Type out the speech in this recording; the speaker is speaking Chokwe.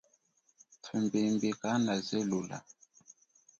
Thumbimbi kana zelula.